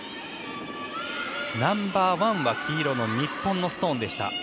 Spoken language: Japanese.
ナンバーワンは黄色の日本のストーンでした。